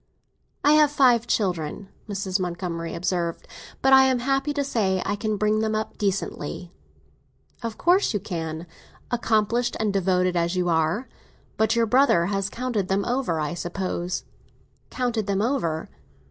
"I have five children," Mrs. Montgomery observed; "but I am happy to say I can bring them up decently." "Of course you can—accomplished and devoted as you are! But your brother has counted them over, I suppose?" "Counted them over?"